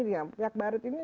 dengan pihak barat ini